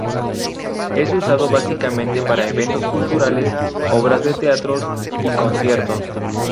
Es usado básicamente para eventos culturales, obras de teatros y conciertos.